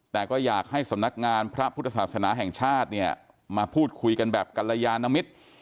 แต่ก็อยากให้สำนักงานพระพุทธศาสนาแห่งชาติเนี่ยมาพูดคุยกันแบบกัลยานมิตร